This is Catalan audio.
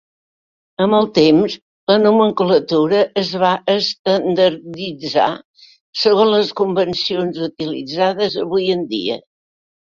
Amb el temps, la nomenclatura es va estandarditzar segons les convencions utilitzades avui en dia.